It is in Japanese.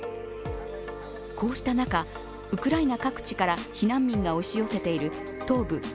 こうした中、ウクライナ各地から避難民が押し寄せている東部